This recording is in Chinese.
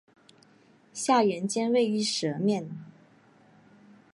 下原尖位于舌面。